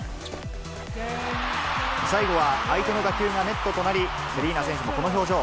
最後は相手の打球がネットとなり、セリーナ選手もこの表情。